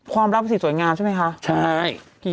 ความรับสิทธิ์สวยงามใช่ไหมคะใช่